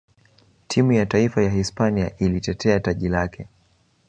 timu ya taifa ya hispania ilitetea taji lake